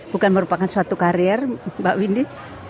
bukan merupakan suatu karier mbak windy